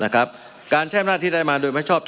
มันมีมาต่อเนื่องมีเหตุการณ์ที่ไม่เคยเกิดขึ้น